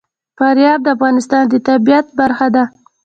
فاریاب د افغانستان د طبیعت برخه ده.